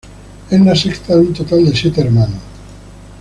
Es la sexta de un total de siete hermanos.